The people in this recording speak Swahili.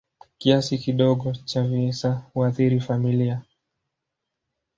Kiasi kidogo cha visa huathiri familia.